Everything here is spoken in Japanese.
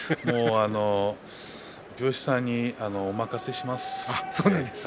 美容師さんにお任せします。